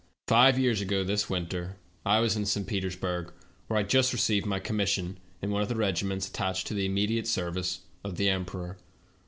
" Five years ago this winter I was in St. Peters burg, where I had just received my commission in one of the regiments attached to the immediate service of the emperor.